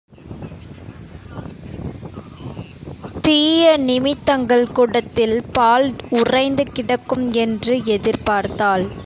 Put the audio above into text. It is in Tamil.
தீய நிமித்தங்கள் குடத்தில் பால் உறைந்து கிடக்கும் என்று எதிர் பார்த்தாள்.